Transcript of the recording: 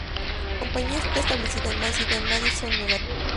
La compañía está establecida en Madison, Nueva Jersey.